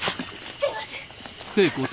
すみません。